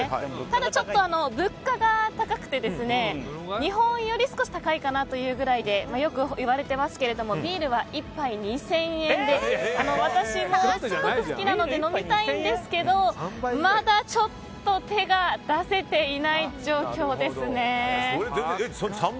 ただ、ちょっと物価が高くてですね、日本より少し高いかなというぐらいでよくいわれていますがビールは１杯２０００円で私もすごく好きなので飲みたいんですけどまだちょっと手が出せていない状況ですね。